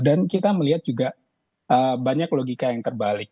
dan kita melihat juga banyak logika yang terbalik